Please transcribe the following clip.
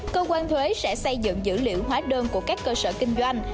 cơ quan thuế sẽ xây dựng dữ liệu hóa đơn của các cơ sở kinh doanh